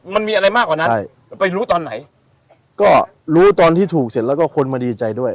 มันมีอะไรมากกว่านั้นใช่ไปรู้ตอนไหนก็รู้ตอนที่ถูกเสร็จแล้วก็คนมาดีใจด้วย